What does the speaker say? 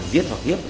giết hoặc hiếp